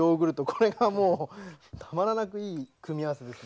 これがもうたまらなくいい組み合わせですね。